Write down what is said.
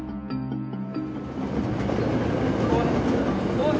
おい。